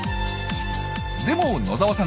でも野澤さん